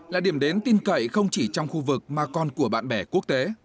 là điểm đến tin cậy không chỉ trong khu vực mà còn của bạn bè quốc tế